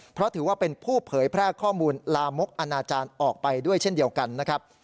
เพราะถือว่าเป็นผู้เผยแพร่ข้อมูลลามกอนาจารย์ออกไปด้วยเช่นเดียวกันนะครับ